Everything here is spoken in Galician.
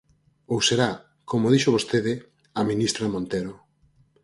Ou será, como dixo vostede, a ministra Montero.